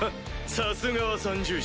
さすがは三獣士。